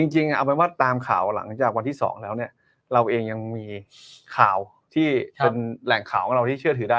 จริงเอาเป็นว่าตามข่าวหลังจากวันที่๒แล้วเนี่ยเราเองยังมีข่าวที่เป็นแหล่งข่าวของเราที่เชื่อถือได้